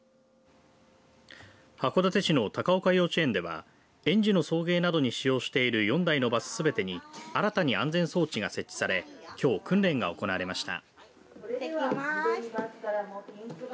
函館市の高丘幼稚園では園児の送迎などに使用している４台のバスすべてに新たに安全装置が設置されきょう訓練が行われました。